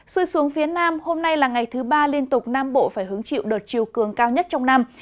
xui xuống phía nam hôm nay là ngày thứ ba liên tục nam bộ phải hứng chịu đợt chiều cường cao nhất trong năm